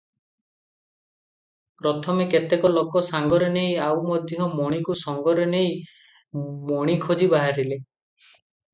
ପ୍ରଥମେ କେତେକ ଲୋକ ସାଙ୍ଗରେ ନେଇ ଆଉ ମଧ୍ୟ ମଣିକୁ ସଙ୍ଗରେ ନେଇ ମଣି ଖୋଜି ବାହାରିଲେ ।